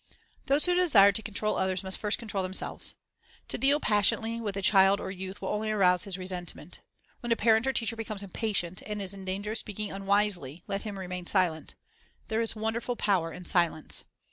Those who desire to control others must first control themselves. To deal passionately with a child or youth will only arouse his resentment. When a parent or teacher becomes impatient, and is in clanger of speaking unwisely, let him remain silent. There is wonderful power in silence.